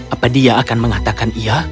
apa dia akan mengatakan iya